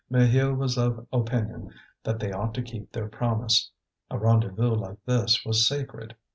Maheu was of opinion that they ought to keep their promise. A rendezvous like this was sacred.